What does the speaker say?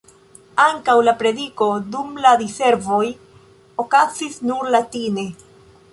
Ankaŭ la prediko dum la diservoj okazis nur latine.